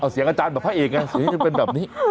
เสียงอาจารย์แบบพระเอกไงเสียงจะเป็นแบบนี้